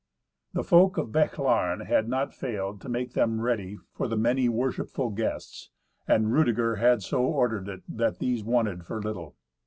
The folk of Bechlaren had not failed to make them ready for the many worshipful guests, and Rudeger had so ordered it that these wanted for little.